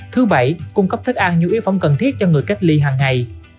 thứ bảy cung cấp thức ăn như yếu phẩm cần thiết cho người cách ly hằng ngày